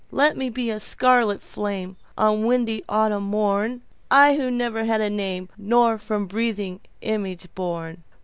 Let me be a scarlet flameOn a windy autumn morn,I who never had a name, Nor from breathing image born.